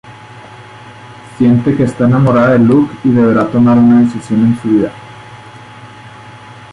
Siente que está enamorada de Luke y deberá tomar una decisión en su vida.